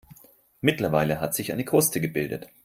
Mittlerweile hat sich eine Kruste gebildet.